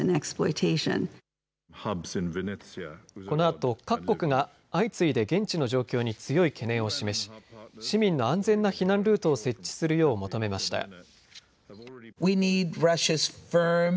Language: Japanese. このあと各国が相次いで現地の状況に強い懸念を示し市民の安全な避難ルートを設置するよう求めました。